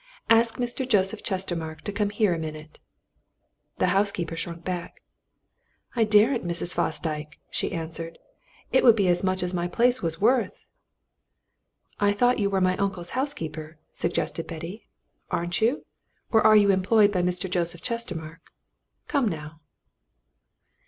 Ask Mr. Joseph Chestermarke to come here a minute." The housekeeper shrunk back. "I daren't, Miss Fosdyke!" she answered. "It would be as much as my place was worth!" "I thought you were my uncle's housekeeper," suggested Betty. "Aren't you? Or are you employed by Mr. Joseph Chestermarke? Come, now?"